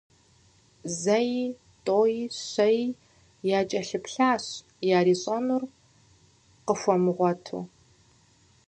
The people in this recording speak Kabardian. Зэи, тӏэуи, щэи якӏэлъыплъащ, ярищӏэнур къыхуэмыгъуэту.